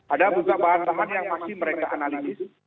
ada buku bahan teman yang masih mereka analisis